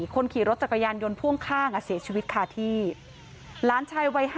คนขี่รถจักรยานยนต์พ่วงข้างเสียชีวิตคาที่หลานชายวัย๕